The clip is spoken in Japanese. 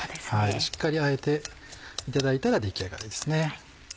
しっかりあえていただいたら出来上がりですね。